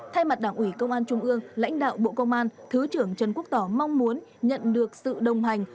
thay mặt đảng ủy công an trung ương lãnh đạo bộ công an thứ trưởng trần quốc tỏ mong muốn nhận được sự đồng hành